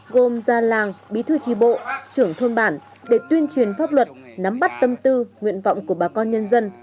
gồm gia làng bí thư tri bộ trưởng thôn bản để tuyên truyền pháp luật nắm bắt tâm tư nguyện vọng của bà con nhân dân